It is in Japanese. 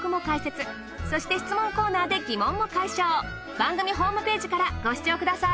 番組ホームページからご視聴ください。